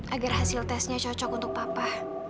agar hasil tesnya cocok untuk papa